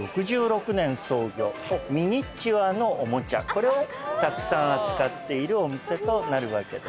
これをたくさん扱っているお店となるわけです。